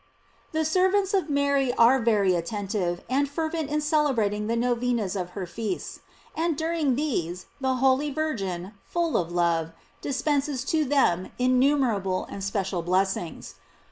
THE servants of Mary are very attentive and fervent in celebrating the Novenas of her Feasts; and during these the holy Virgin, full of love, dispenses to them innumerable and special bless ings.